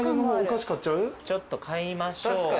ちょっと買いましょうか。